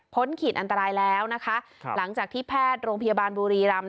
ขีดอันตรายแล้วนะคะครับหลังจากที่แพทย์โรงพยาบาลบุรีรำ